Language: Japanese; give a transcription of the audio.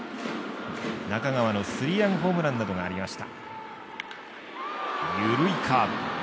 中川のスリーランホームランなどがありました。